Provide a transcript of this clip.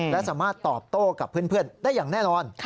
และสามารถตอบโต้กับเพื่อนได้อย่างแน่นอน